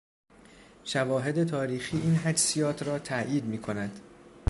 شواهد تاریخی این حدسیات را تایید میکند.